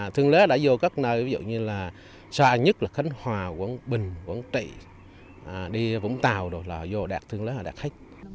thương lái đã vô các nơi ví dụ như là xa nhất là khánh hòa quảng bình quảng trị đi vũng tàu rồi là vô đạt thương lái là đạt hết